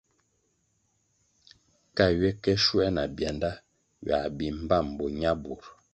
Ka ywe ke shuoē na byanda, ywā bih mbpám bo ñabur.